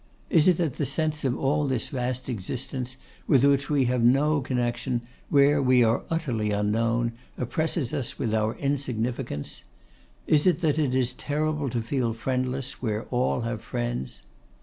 Is it that the sense of all this vast existence with which we have no connexion, where we are utterly unknown, oppresses us with our insignificance? Is it that it is terrible to feel friendless where all have friends?